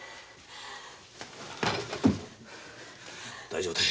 大丈夫だ。